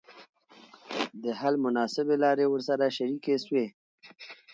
د حل مناسبي لاري ورسره شریکي سوې.